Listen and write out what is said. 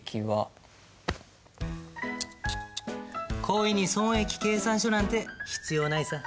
恋に損益計算書なんて必要ないさ。